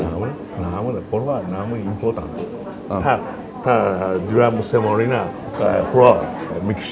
ทำสปาเก็ตตี้น้ำพร้อม